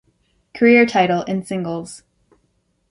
Career title in singles.